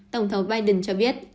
tổng thống biden cho biết